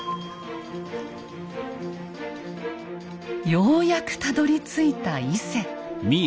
ようやくたどりついた伊勢。